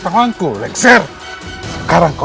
atau mereka yang akan menghabisi kau lekser